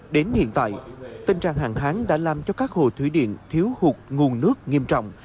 đến hiện tại tình trạng hàng tháng đã làm cho các hồ thủy điện thiếu hụt nguồn nước nghiêm trọng